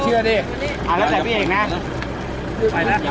จับได้